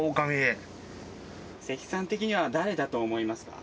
関さん的には誰だと思いますか？